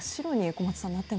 小松さん。